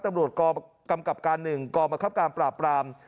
ตรรวจกรรมกำกับการหนึ่งกรกรมกรับการปราปราม